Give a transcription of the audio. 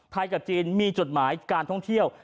กับจีนมีจดหมายการท่องเที่ยว